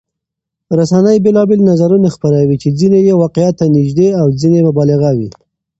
رسنۍ بېلابېل نظرونه خپروي چې ځینې یې واقعيت ته نږدې او ځینې مبالغه وي.